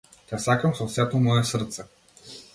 Те сакам со сето мое срце.